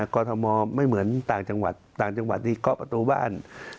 กรทมไม่เหมือนต่างจังหวัดต่างจังหวัดที่เคาะประตูบ้าน